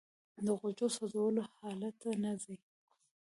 د غوړو سوځولو حالت ته نه ځي